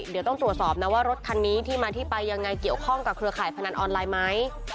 เดี๋ยวต้องตรวจสอบนะว่ารถคันนี้ที่มาที่ไปยังไงเกี่ยวข้องกับเครือข่ายพนันออนไลน์ไหม